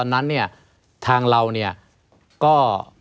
ไม่มีครับไม่มีครับ